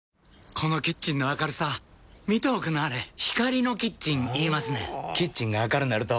このキッチンの明るさ見ておくんなはれ光のキッチン言いますねんほぉキッチンが明るなると・・・